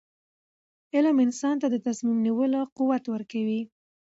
علم انسان ته د تصمیم نیولو قوت ورکوي.